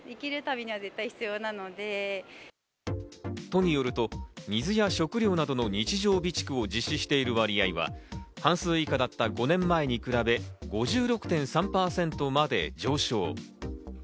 都によると、水や食料などの日常備蓄を実施している割合は半数以下だった５年前に比べ、５６．３％まで上昇。